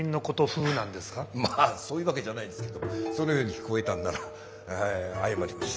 まあそういうわけじゃないですけどもそのように聞こえたんなら謝ります。